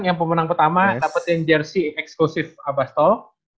yang pemenang pertama dapetin jersey eksklusif abastok